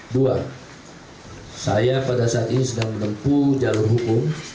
dua saya pada saat ini sedang menempuh jalur hukum